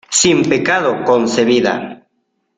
¡ sin pecado concebida!